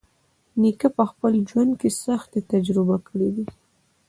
نیکه په خپل ژوند کې سختۍ تجربه کړې دي.